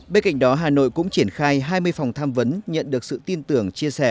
bên cạnh đó hà nội cũng triển khai hai mươi phòng tham vấn nhận được sự tin tưởng chia sẻ